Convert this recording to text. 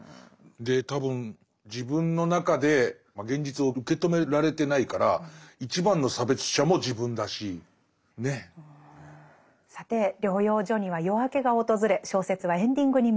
で多分自分の中で現実を受け止められてないから一番の差別者も自分だし。ね。さて療養所には夜明けが訪れ小説はエンディングに向かいます。